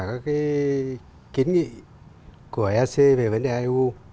các cái kiến nghị của ec về vấn đề au